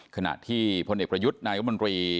ขณะที่พลเอกประยุทธ์นายมนตรี